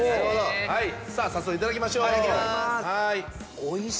さあ早速いただきましょう。